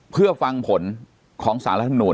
เพื่อฟังผลของสารรัฐมนุน